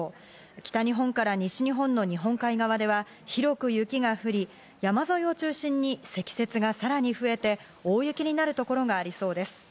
北日本から西日本の日本海側では、広く雪が降り、山沿いを中心に積雪がさらに増えて、大雪になるところがありそうです。